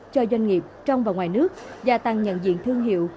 cho doanh nghiệp trong và ngoài nước gia tăng nhận diện thương hiệu